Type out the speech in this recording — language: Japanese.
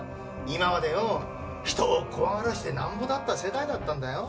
今までよ人を怖がらせてなんぼだった世界だったんだよ。